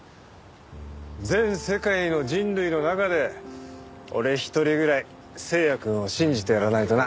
全世界の人類の中で俺一人ぐらい星也くんを信じてやらないとな。